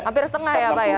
hampir setengah ya pak ya